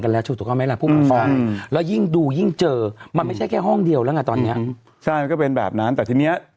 แล้วยิ่งดูยิ่งเจอมันไม่ใช่แค่ห้องเดียวละง่าตอนนี้